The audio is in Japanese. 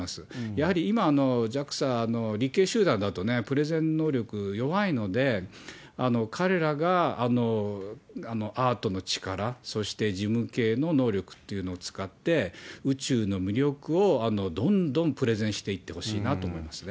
やはり今、ＪＡＸＡの理系集団だとね、プレゼン能力弱いので、彼らがアートの力、そして事務系の能力っていうのを使って、宇宙の魅力をどんどんプレゼンしていってほしいなと思いますね。